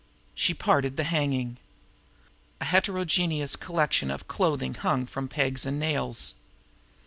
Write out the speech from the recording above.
She parted the hanging. A heterogeneous collection of clothing hung from pegs and nails.